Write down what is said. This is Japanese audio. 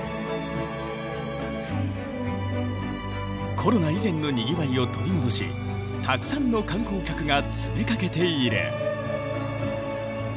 コロナ以前のにぎわいを取り戻したくさんの観光客が詰めかけている。